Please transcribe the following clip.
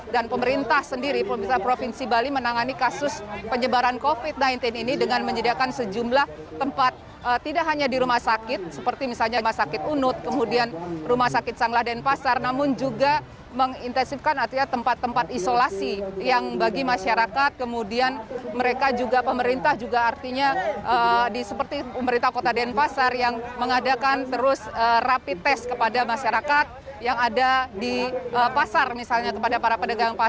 dan pemerintah sendiri provinsi bali menangani kasus penyebaran covid sembilan belas ini dengan menyediakan sejumlah tempat tidak hanya di rumah sakit seperti misalnya rumah sakit unut kemudian rumah sakit sangla denpasar namun juga mengintensifkan tempat tempat isolasi yang bagi masyarakat kemudian mereka juga pemerintah juga artinya di seperti pemerintah kota denpasar yang mengadakan terus rapid test kepada masyarakat yang ada di pasar misalnya kepada para pemerintah